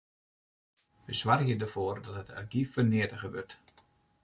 Wy soargje derfoar dat it argyf ferneatige wurdt.